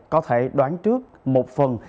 có thể đoán trước một phần